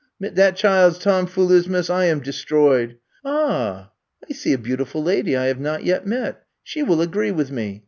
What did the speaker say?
Mit dat child's tomfoolismus I am de stroyed. Ah, I see a beautiful lady I have not yet met. She will agree with me.